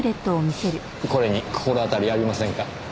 これに心当たりありませんか？